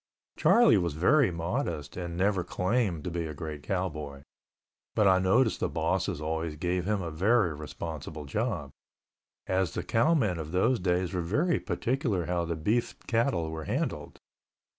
Charlie was very modest and never claimed to be a great cowboy, but I noticed the bosses always gave him a very responsible job, as the cowmen of those days were very particular how the beef cattle were handled.